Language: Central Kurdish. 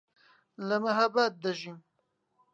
لە مەهاباد دەژیم.